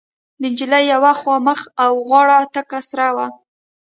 د نجلۍ يوه خوا مخ او غاړه تکه سره وه.